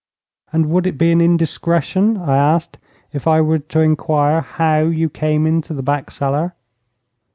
'And would it be an indiscretion,' I asked, 'if I were to inquire how you came into the back cellar?'